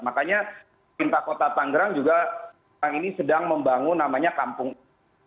makanya pintar kota tangerang juga sedang membangun namanya kampung iklim